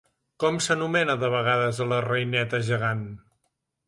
Com s'anomena de vegades a la reineta gegant?